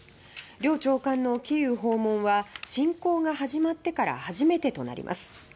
両長官のキーウ訪問は侵攻が始まってから初めてとなります。